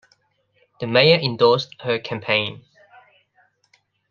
The mayor endorsed her campaign.